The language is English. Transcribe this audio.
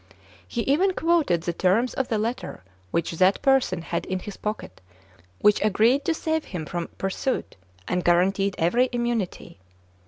He even quoted the terms of the letter which that person had in his pocket, which agreed to save him from pursuit, and guaranteed every immunity.